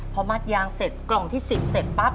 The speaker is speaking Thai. พอมัดยางเสร็จกล่องที่๑๐เสร็จปั๊บ